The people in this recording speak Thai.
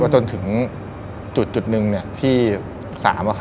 จนถึงจุดหนึ่งที่๓